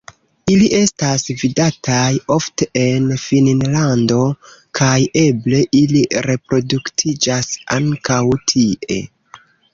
Ili estas vidataj ofte en Finnlando kaj eble ili reproduktiĝas ankaŭ tie.